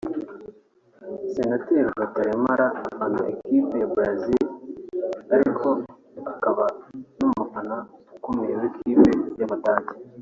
Senateri Rutaremara afana ikipe ya Brazil ariko akaba n’umufana ukomeye w’ikipe y’Abadage